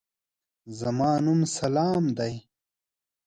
زما نوم سلام دی.